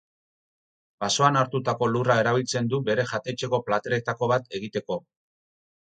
Basoan hartutako lurra erabiltzen du bere jatetxeko plateretako bat egiteko.